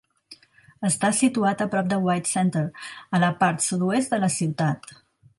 Està situat a prop de White Center, a la part sud-oest de la ciutat.